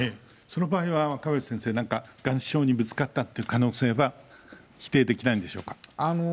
その場合は、若林先生、何か岩礁にぶつかったって可能性は否定できないんでしょうか。